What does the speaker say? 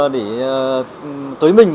để tới mình